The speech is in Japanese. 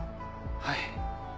はい。